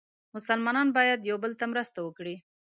مسلمانان باید یو بل ته مرسته وکړي.